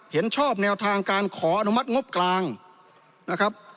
เห็นชอบแนวทางการขออนุมัติงบกลางนะครับ